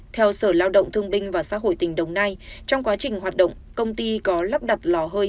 theo sở lao động thương binh và xã hội tỉnh đồng nai trong quá trình hoạt động công ty có lắp đặt lò hơi